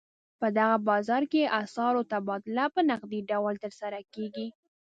په دغه بازار کې اسعارو تبادله په نغدي ډول ترسره کېږي.